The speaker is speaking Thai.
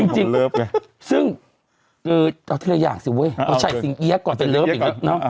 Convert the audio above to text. จริงซึ่งเอาทีละอย่างสิเว้ยเอาชัยสิงเอี๊ยก่อนเป็นเลิฟอีกแล้วเนอะ